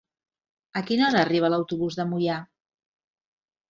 A quina hora arriba l'autobús de Moià?